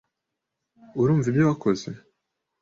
Urumva ibyo wakoze?